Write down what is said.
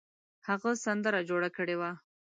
هغه سندره جوړه کړې وه.